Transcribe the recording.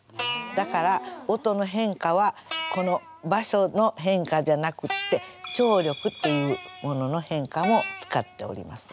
だから音の変化はこの場所の変化じゃなくって張力っていうものの変化も使っております。